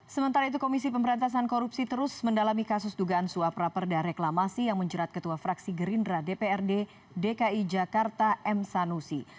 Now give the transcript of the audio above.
sementara itu komisi pemberantasan korupsi terus mendalami kasus dugaan suap raperda reklamasi yang menjerat ketua fraksi gerindra dprd dki jakarta m sanusi